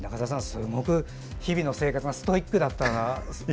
すごく日々の生活がストイックだったと。